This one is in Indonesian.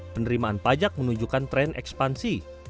penerimaan pajak menunjukkan tren ekspansi